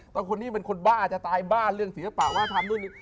มันคุณนี่เป็นคนบ้าอาจจะตายบ้าเรื่องศีลศภาวะธรรมดุ่งดิ